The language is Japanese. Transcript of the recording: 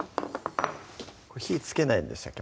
火ぃつけないんでしたっけ？